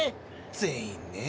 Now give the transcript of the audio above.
全員ねぇ。